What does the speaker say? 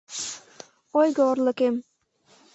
Ойго-орлыкем.